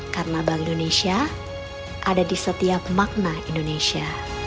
karena bank indonesia ada di setiap makna indonesia